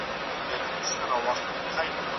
هر څوک غواړي چې یو ارام او خوندي ژوند ولري.